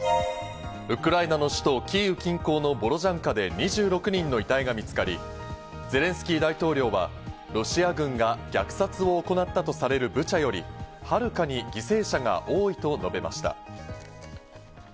ウクライナの首都キーウ近郊のボロジャンカで２６人の遺体が見つかり、ゼレンスキー大統領はロシア軍が虐殺を行ったとされるブチャよりはるかに犠牲者が多いと述べました。